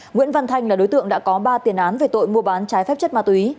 nguyễn văn thanh là đối tượng đã có ba tiền án về tội mua bán trái phép chất ma túy